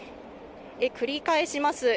繰り返します。